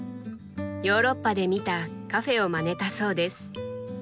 ヨーロッパで見たカフェをまねたそうです。